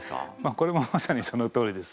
これもまさにそのとおりですね。